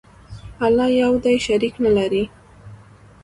الله یو دی، شریک نه لري.